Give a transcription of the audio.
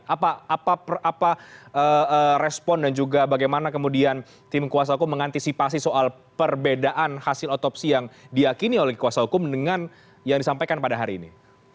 apa respon dan juga bagaimana kemudian tim kuasa hukum mengantisipasi soal perbedaan hasil otopsi yang diakini oleh kuasa hukum dengan yang disampaikan pada hari ini